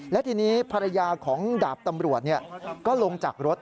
และทีนี้ภรรยาของดาบตำรวจก็ลงจากรถ